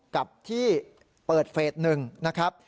กับที่เปิดเฟส๑นะครับ